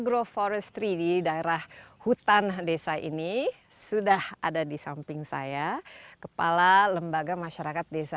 grow forestry di daerah hutan desa ini sudah ada di samping saya kepala lembaga masyarakat desa